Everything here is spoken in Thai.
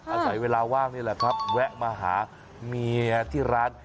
อาศัยเวลาว่างนี่แหละครับแวะมาหาเมียที่ร้าน